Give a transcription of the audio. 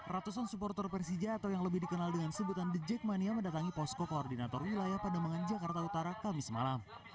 ratusan supporter persija atau yang lebih dikenal dengan sebutan the jackmania mendatangi posko koordinator wilayah pademangan jakarta utara kamis malam